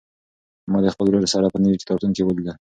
ما د خپل ورور سره په نوي کتابتون کې ولیدل.